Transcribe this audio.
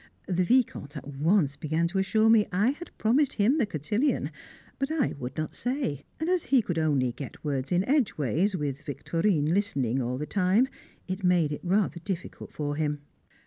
The Vicomte at once began to assure me I had promised him the cotillon, but I would not say; and as he could only get words in edgeways, with Victorine listening all the time, it made it rather difficult for him.